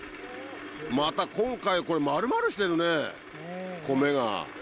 また今回これ丸々してるね米が。